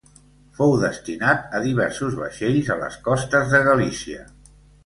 Fou destinat a diversos vaixells a les costes de Galícia.